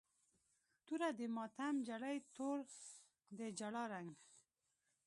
توره د ماتم جړۍ، تور دی د جړا رنګ